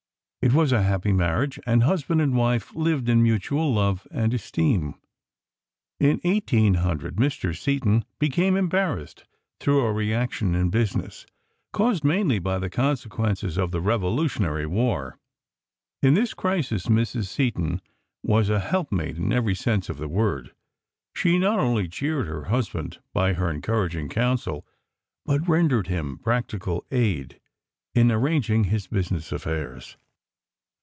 It was a happy marriage, and husband and wife lived in mutual love and esteem. In 1800 Mr. Seton became embarrassed through a reaction in business, caused mainly by the consequences of the Revolutionary war. In this crisis Mrs. Seton was a help mate in every sense of the word. She not only cheered her husband by her encouraging counsel, but rendered him practical aid in arranging his business affairs.